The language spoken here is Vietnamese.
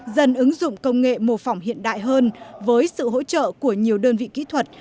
dần ứng dụng công nghệ mô phỏng hiện đại hơn với sự hỗ trợ của nhiều đơn vị kỹ thuật